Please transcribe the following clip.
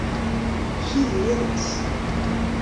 hi a lennas.